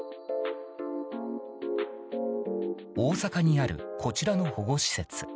大阪にある、こちらの保護施設。